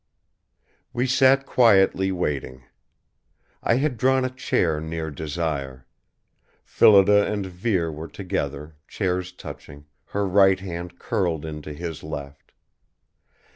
We sat quietly waiting. I had drawn a chair near Desire. Phillida and Vere were together, chairs touching, her right hand curled into his left.